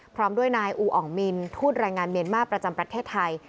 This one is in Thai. พร้อมด้วยนายอูอ่องมินทูตแรงงานเมียนมาร์ประจำประเทศไทย